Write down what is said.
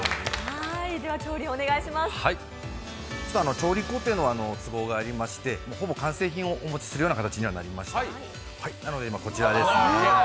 調理工程の都合がありましてほぼ完成品をお持ちするような形になりました。